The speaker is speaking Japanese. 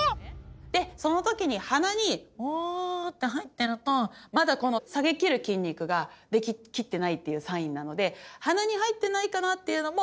でその時に鼻にホーって入ってるとまだこの下げきる筋肉ができきってないっていうサインなので鼻に入ってないかなっていうのも。